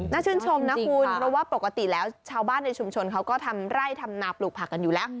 ชื่นชมนะคุณเพราะว่าปกติแล้วชาวบ้านในชุมชนเขาก็ทำไร่ทำนาปลูกผักกันอยู่แล้ว